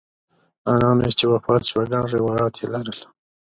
انا مې چې وفات شوه ګڼ روایات یې لرل.